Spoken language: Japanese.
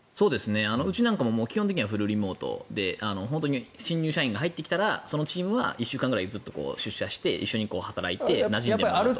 うちなんかも基本的にはフルリモートで本当に新入社員が入ってきたらそのチームは１週間ぐらいずっと出社して一緒に働いてなじんでもらうと。